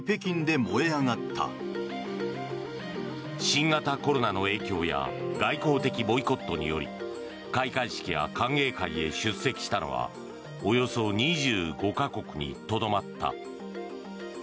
新型コロナの影響や外交的ボイコットにより開会式や歓迎会へ出席したのはおよそ２５か国にとどまった。